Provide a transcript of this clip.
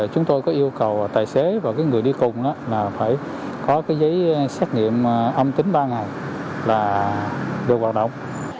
chúng tôi có yêu cầu tài xế và người đi cùng phải có giấy xét nghiệm âm tính ba ngày là được hoạt động